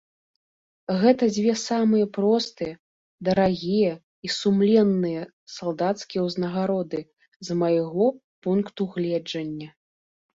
Гэта дзве самыя простыя, дарагія і сумленныя салдацкія ўзнагароды, з майго пункту гледжання.